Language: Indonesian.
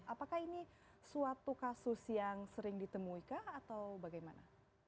apakah ini suatu kasus yang sering ditemui kah atau bagaimana